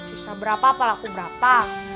sisa berapa apa laku berapa